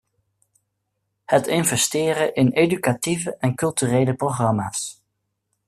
Het investeren in educatieve en culturele programma's ...